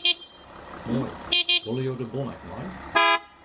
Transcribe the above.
Moai, wolle jo de bon ek mei?